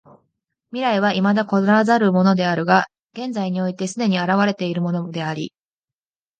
未来は未だ来らざるものであるが現在において既に現れているものであり、